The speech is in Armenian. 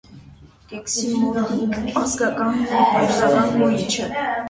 Կեքսի մոտիկ ազգականն է ռուսական կուլիչը։